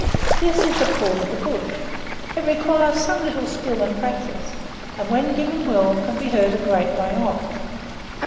This is the call of the bush, it requires some little skill and practice, and when given well can be heard a great way off.